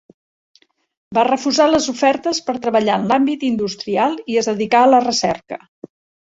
Va refusar les ofertes per treballar en l'àmbit industrial, i es dedicà a la recerca.